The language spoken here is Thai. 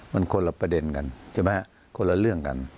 มันคนละประเด็นกันคนละเรื่องกัน